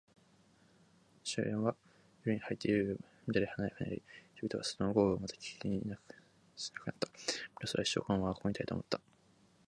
祝宴は、夜に入っていよいよ乱れ華やかになり、人々は、外の豪雨を全く気にしなくなった。メロスは、一生このままここにいたい、と思った。